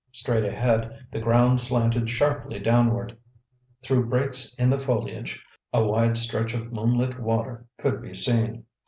Straight ahead the ground slanted sharply downward. Through breaks in the foliage, a wide stretch of moonlit water could be seen.